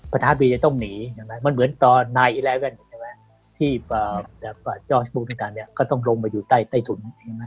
ประธานบีจะต้องหนีมันเหมือนตอน๙๑๑ที่จอร์จบุ๊คต้องลงมาอยู่ใต้ถุน